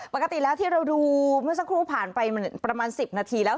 ปกติแล้วที่เราดูเมื่อสักครู่ผ่านไปประมาณ๑๐นาทีแล้ว